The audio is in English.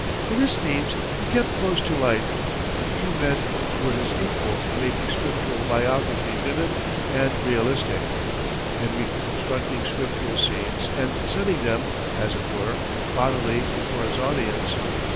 In his themes he kept close to life, and few men were his equal in making scriptural biography vivid and realistic; in reconstructing scriptural scenes and setting them, as it were, bodily before his audience.